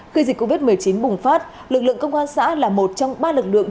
khi dịch covid một mươi chín bùng phát lực lượng công an xã là một trong ba lực lượng